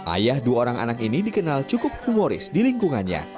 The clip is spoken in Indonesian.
ayah dua orang anak ini dikenal cukup humoris di lingkungannya